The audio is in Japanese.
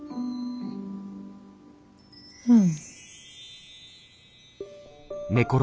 うん。